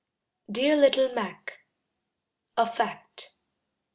"DEAR LITTLE MAC."[D] (A FACT.)